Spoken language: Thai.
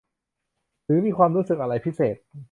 หรือมีความรู้สึกอะไรพิเศษ